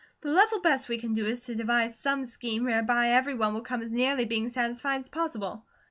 "The level best we can do is to devise some scheme whereby everyone will come as nearly being satisfied as possible."